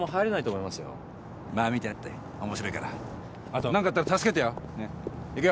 後何かあったら助けてよねっ行くよ。